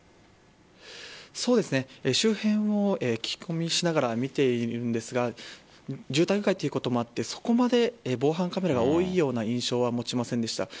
周辺を聞き込みしながら見ているんですが住宅街ということもあってそこまで防犯カメラが多いような印象は持ちませんでした。